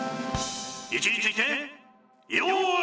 位置について用意。